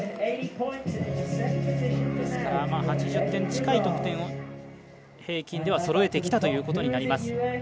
ですから、８０点近い得点を平均ではそろえてきたということになります。